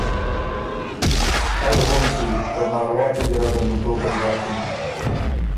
از غون کی که مارواتی ګیرډه م بُو ټوقئ داکِن